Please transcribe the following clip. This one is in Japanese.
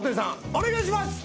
お願いします。